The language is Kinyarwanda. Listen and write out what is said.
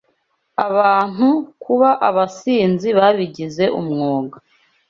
abantu kuba abasinzi babigize umwuga